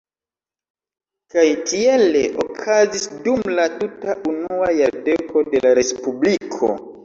Kaj tiele okazis dum la tuta unua jardeko de la Respubliko.